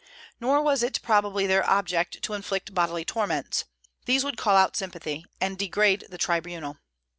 Nor was it probably their object to inflict bodily torments: these would call out sympathy and degrade the tribunal.